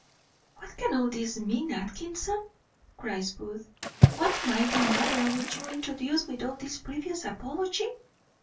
"What can all this mean, Atkinson?" cries Booth; "what mighty matter would you introduce with all this previous apology?"